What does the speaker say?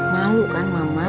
malu kan mama